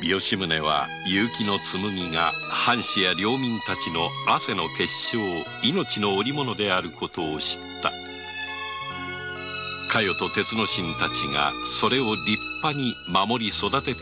吉宗は結城の紬が藩士や領民たちの汗の結晶命の織物であることを知った加代と鉄之進たちがそれを立派に守り育てていくに違いないと吉宗は信じていた